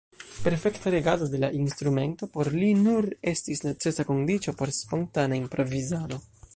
Perfekta regado de la instrumento por li nur estis necesa kondiĉo por spontana improvizado.